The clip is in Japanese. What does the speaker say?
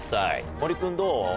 森君どう？